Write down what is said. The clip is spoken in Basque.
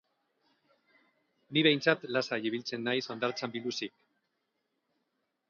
Ni behintzat lasai ibiltzen naiz hondartzan biluzik.